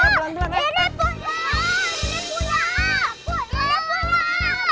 ini punya aku